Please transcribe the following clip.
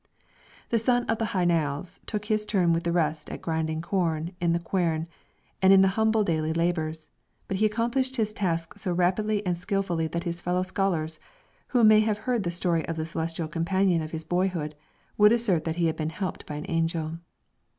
The son of the Hy Nialls took his turn with the rest at grinding the corn in the quern and in the humble daily labours, but he accomplished his task so rapidly and skilfully that his fellow scholars, who may have heard the story of the celestial companion of his boyhood, would assert that he had been helped by an angel.